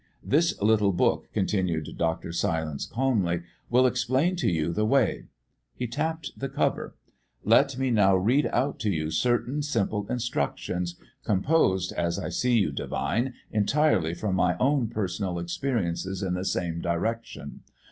"This little book," continued Dr. Silence calmly, "will explain to you the way." He tapped the cover. "Let me now read out to you certain simple instructions, composed, as I see you divine, entirely from my own personal experiences in the same direction.